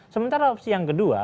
sementara opsi yang kedua